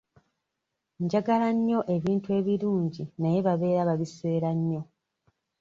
Njagala nnyo ebintu ebirungi naye babeera babiseera nnyo.